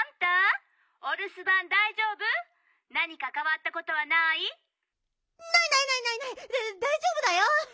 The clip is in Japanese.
だいじょうぶだよ！